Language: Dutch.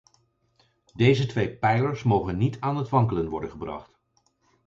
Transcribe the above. Deze twee pijlers mogen niet aan het wankelen worden gebracht.